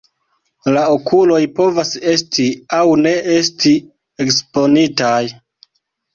La okuloj povas esti aŭ ne esti eksponitaj.